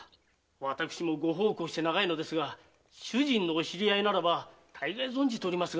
私もご奉公して長いのですが主人のお知り合いならばたいがい存じておりますが。